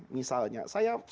misalnya saya berkorban